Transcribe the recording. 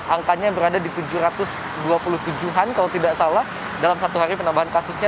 angkanya berada di tujuh ratus dua puluh tujuh an kalau tidak salah dalam satu hari penambahan kasusnya